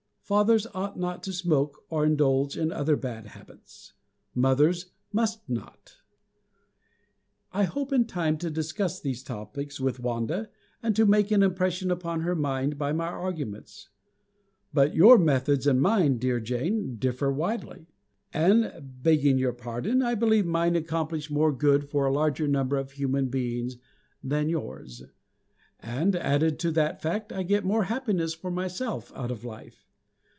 Fathers ought not to smoke or indulge in other bad habits. Mothers must not. I hope in time to discuss these topics with Wanda, and to make an impression upon her mind by my arguments. But your methods and mine, dear Jane, differ widely. And, begging your pardon, I believe mine accomplish more good for a larger number of human beings than yours. And, added to that fact, I get more happiness for myself out of life.